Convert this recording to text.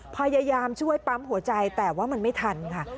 พยายามช่วยปั๊มหัวใจแต่ว่ามันไม่ทันค่ะ